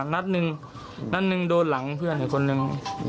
นัดหนึ่งโดนหลังเพื่อนอีกคนนึง